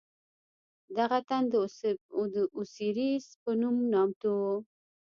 دغه تن د اوسیریس په نوم نامتوو.